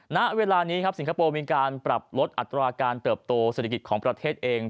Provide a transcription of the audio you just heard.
ณเวลานี้ครับสิงคโปร์มีการปรับลดอัตราการเติบโตเศรษฐกิจของประเทศเอง